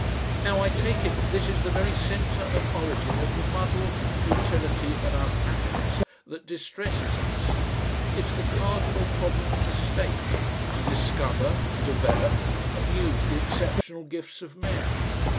Now, I take it, this is the very centre and origin of the muddle, futility, and unhappiness that distresses us; it's the cardinal problem of the state to discover, develop, and use the exceptional gifts of men.